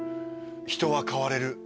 「人は変われる！